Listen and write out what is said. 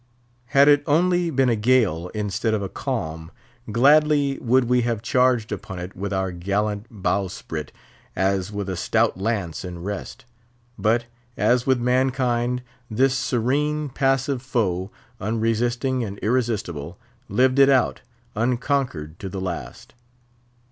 Had it only been a gale instead of a calm, gladly would we have charged upon it with our gallant bowsprit, as with a stout lance in rest; but, as with man kind, this serene, passive foe—unresisting and irresistible—lived it out, unconquered to the last.